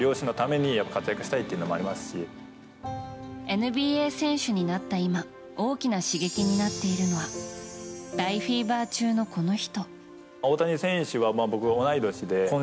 ＮＢＡ選手になった今大きな刺激になっているのが大フィーバー中のこの人。